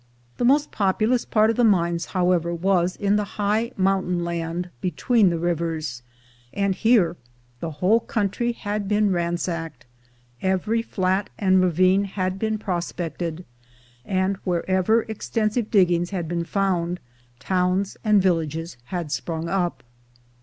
The most populous part of the mines, however, was in the high moimtain land between the rivers, and here the whole country had been ransacked, every flat and ravine had been prospected; and where%er exten sive diggings had been found, towns and villages had spnmg up.